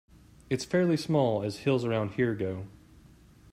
It's fairly small as hills around here go.